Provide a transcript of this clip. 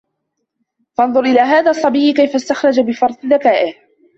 فَانْظُرْ إلَى هَذَا الصَّبِيِّ كَيْفَ اسْتَخْرَجَ بِفَرْطِ ذَكَائِهِ